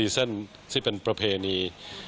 เส้นที่เป็นประเพณี